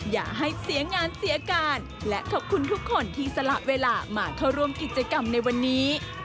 อย่าให้เสียงานเสียการและขอบคุณทุกคนที่สละเวลามาเข้าร่วมกิจกรรมในวันนี้